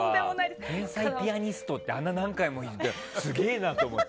天才ピアニストってあんな何回も言っててすげえな！って思って。